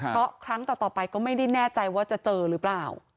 เพราะครั้งต่อไปก็ไม่ได้แน่ใจว่าจะเจอหรือเปล่า